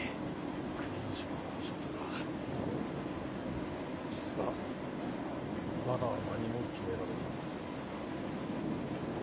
国同士の交渉とか実はまだ何も決められないんです